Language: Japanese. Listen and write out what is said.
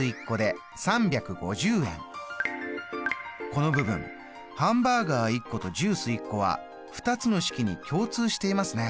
この部分ハンバーガー１個とジュース１個は２つの式に共通していますね。